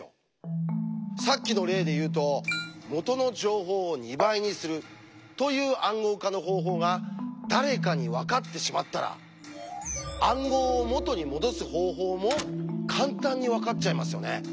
さっきの例で言うと「元の情報を２倍にする」という暗号化の方法が誰かにわかってしまったら暗号を「元にもどす方法」も簡単にわかっちゃいますよね。